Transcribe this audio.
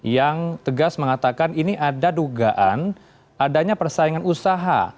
yang tegas mengatakan ini ada dugaan adanya persaingan usaha